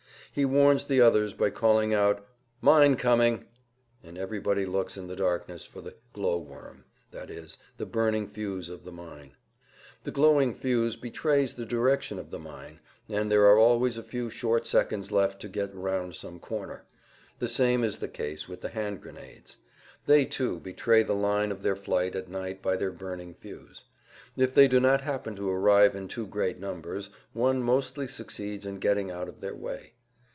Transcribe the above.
He warns the others by calling out, "Mine coming!" and everybody looks in the darkness for the "glow worm," i.e., the burning fuse of the mine. The glowing fuse betrays the direction of the mine, and there are always a few short seconds left to get round some corner. The same is the case with the hand grenades. They, too, betray the line of their flight at night by their burning fuse. If they do not happen to arrive in too great numbers one mostly succeeds in getting out of their way.